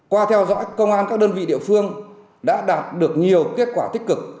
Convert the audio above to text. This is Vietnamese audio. qua theo dõi công an các đơn vị địa phương đã đạt được nhiều kết quả tích cực